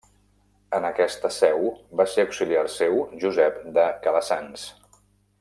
En aquesta seu va ser auxiliar seu Josep de Calassanç.